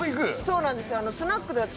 そうなんですよ